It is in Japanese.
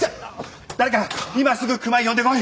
誰か今すぐ熊井呼んでこい！